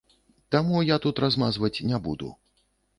Таму я тут размазваць не буду.